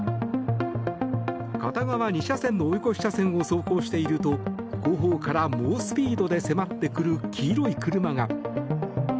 片側２車線の追い越し車線を走行していると後方から猛スピードで迫ってくる黄色い車が。